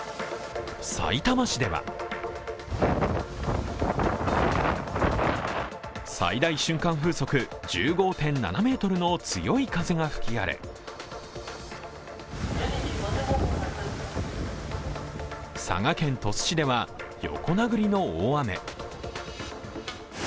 さいたま市では最大瞬間風速１５．７メートルの強い風が吹き荒れ佐賀県鳥栖市では、横殴りの大雨。